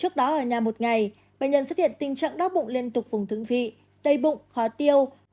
trước đó ở nhà một ngày bệnh nhân xuất hiện tình trạng đau bụng liên tục vùng thương vị tây bụng khó tiêu